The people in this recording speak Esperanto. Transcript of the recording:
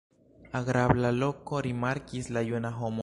Agrabla loko, rimarkis la juna homo.